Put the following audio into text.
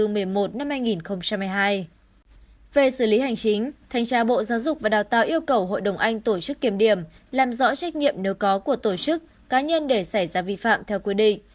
về xử lý hành chính thanh tra bộ giáo dục và đào tạo yêu cầu hội đồng anh tổ chức kiểm điểm làm rõ trách nhiệm nếu có của tổ chức cá nhân để xảy ra vi phạm theo quy định